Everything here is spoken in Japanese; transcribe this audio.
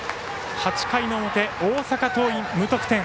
８回の表、大阪桐蔭、無得点。